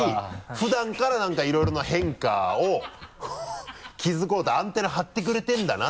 普段からなんかいろいろな変化を気づこうとアンテナ張ってくれてるんだな。